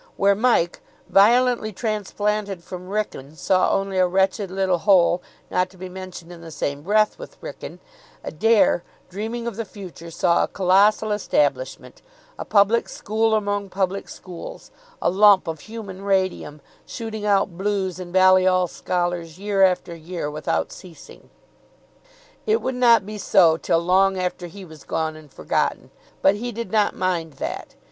Where Mike, violently transplanted from Wrykyn, saw only a wretched little hole not to be mentioned in the same breath with Wrykyn, Adair, dreaming of the future, saw a colossal establishment, a public school among public schools, a lump of human radium, shooting out Blues and Balliol Scholars year after year without ceasing. It would not be so till long after he was gone and forgotten, but he did not mind that.